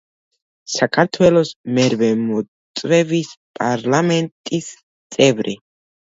საქართველოს მერვე მოწვევის პარლამენტის წევრი.